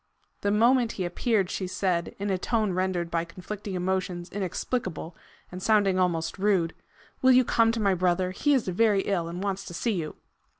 The moment he appeared she said, in a tone rendered by conflicting emotions inexplicable, and sounding almost rude, "Will you come to my brother? He is very ill, and wants to see you."